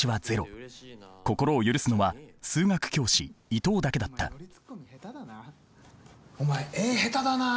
心を許すのは数学教師伊藤だけだったお前絵下手だな。